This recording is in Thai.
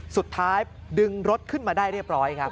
สุดท้ายดึงรถขึ้นมาได้เรียบร้อยครับ